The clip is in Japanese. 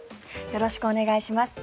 よろしくお願いします。